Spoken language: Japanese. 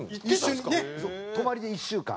泊まりで１週間。